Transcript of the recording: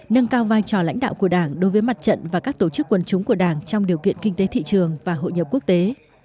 nâng cao vai trò lãnh đạo của đảng đối với mặt trận và các tổ chức quần chúng của đảng trong điều kiện kinh tế thị trường và hội nhập quốc tế